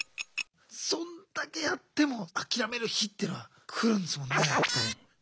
そんだけやっても諦める日っていうのは来るんですもんね。